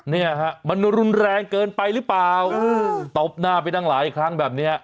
เนี่ยฮะมันรุนแรงเกินไปหรือเปล่าตบหน้าไปตั้งหลายครั้งแบบเนี้ย